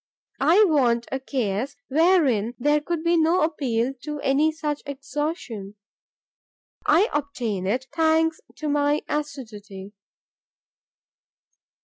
I want a case wherein there could be no appeal to any such exhaustion. I obtain it, thanks to my assiduity.